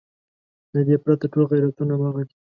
له دې پرته ټول غیرتونه همغه دي.